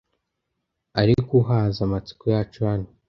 Ariko uhaze amatsiko yacu hano